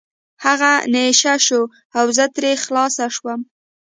هغه نشه شو او زه ترې خلاص شوم.